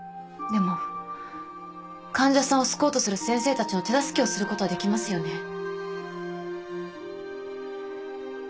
でも患者さんを救おうとする先生たちの手助けをすることはできますよね？